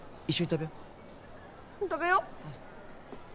食べよう。